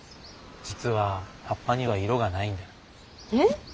実は葉っぱには色がないんだよ。えっ？